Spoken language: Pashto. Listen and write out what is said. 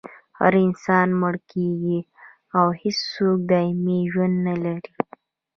هر انسان مړ کیږي او هېڅوک دایمي ژوند نلري